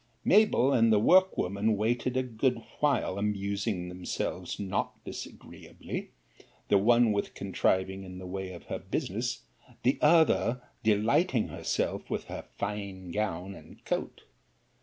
'Mabell and the workwoman waited a good while, amusing themselves not disagreeably, the one with contriving in the way of her business, the other delighting herself with her fine gown and coat.